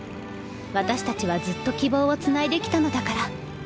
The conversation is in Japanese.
私たちはずっと希望をつないできたのだから。